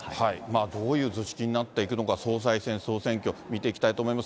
どういう図式になっていくのか、総裁選、総選挙、見ていきたいと思います。